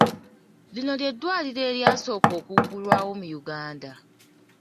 Lino lye dddwaliro eryasooka okuggulwawo mu Uganda?